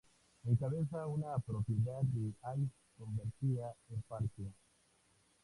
Encabeza una propiedad de hoy convertida en parque.